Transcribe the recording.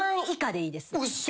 嘘！？